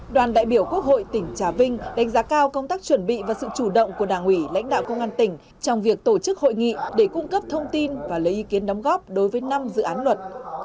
đoàn đại biểu quốc hội tỉnh trà vinh đánh giá cao công tác chuẩn bị và sự chủ động của đảng ủy lãnh đạo công an tỉnh trong việc tổ chức hội nghị để cung cấp thông tin và lấy ý kiến đóng góp đối với năm dự án luật